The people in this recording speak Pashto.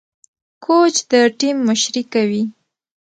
کوچ د ټيم مشري کوي.